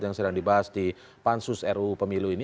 yang sedang dibahas di pansus ruu pemilu ini